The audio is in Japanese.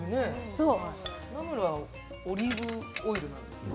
ナムルオリーブオイルなんですね。